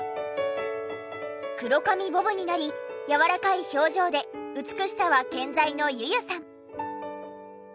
黒髪ボブになり柔らかい表情で美しさは健在のｙｕ−ｙｕさん。